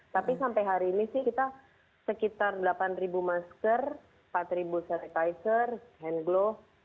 tapi sampai hari ini sih kita sekitar delapan masker empat sanitizer hand glove